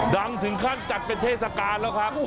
ดังถึงขั้นจัดเป็นเทศกาลแล้วครับ